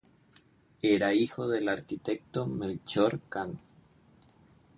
Era hijo del arquitecto Melchor Cano.